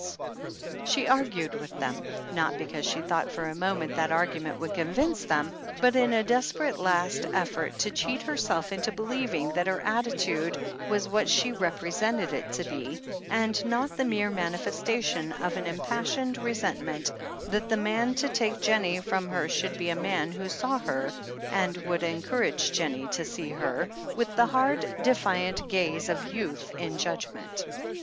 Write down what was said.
THE HEEL OF ACHILLES 411 She argued with them, not because she thought for a moment that argument would convince them, but in a desperate last effort to cheat herself into believing that her attitude was what she represented it to be, and not the mere manifestation of an impassioned resent ment that the man to take Jennie from her should be a man who saw her, and would encourage Jennie to see her, with the hard, defiant gaze of youth in judgment.